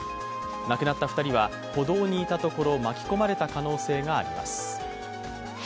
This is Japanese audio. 亡くなった２人は歩道にいたところ巻き込まれた可能性があります。